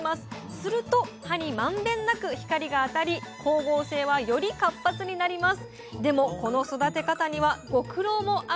すると葉に満遍なく光が当たり光合成はより活発になります。